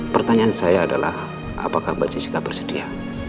pertanyaan saya adalah apakah mbak jessica bersedia